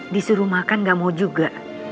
disuruh makan gak mau juga